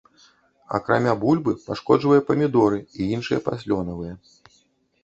Акрамя бульбы, пашкоджвае памідоры і іншыя паслёнавыя.